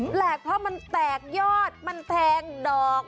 แปลกเพราะมันแตกยอดมันแทงดอก